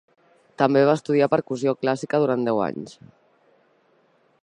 També va estudiar percussió clàssica durant deu anys.